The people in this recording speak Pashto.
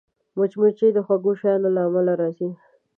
مچمچۍ د خوږو شیانو له امله راځي